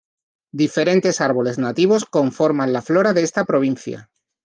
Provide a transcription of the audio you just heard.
Diferentes árboles nativos conforman la flora de esta provincia.